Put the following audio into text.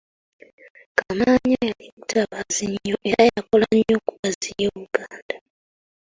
Kamaanya yali mutabaazi nnyo era yakola nnyo okugaziya Buganda.